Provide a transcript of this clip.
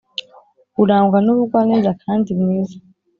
urangwa nubugwaneza kandi mwiza."